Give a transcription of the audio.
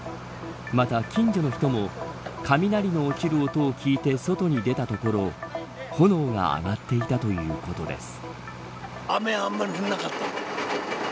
また、近所の人も雷の落ちる音を聞いて外に出たところ炎が上がっていたということです。